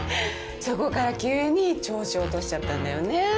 そこから急に調子落としちゃったんだよね。